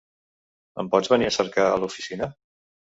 Em pots venir a cercar a l'oficina?